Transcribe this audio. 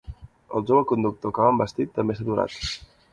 El jove conductor que m'ha envestit també s'ha aturat.